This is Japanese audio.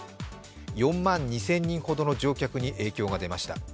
４万２０００人ほどの乗客に影響が出ました。